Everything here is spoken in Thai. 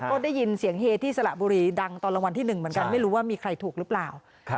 ก็ได้ยินเสียงเฮที่สระบุรีดังตอนรางวัลที่๑เหมือนกันไม่รู้ว่ามีใครถูกหรือเปล่า